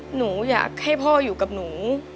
หนูอยากให้พ่ออยู่กับหนู